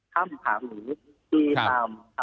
ถ้ำผาหมูที่ตาม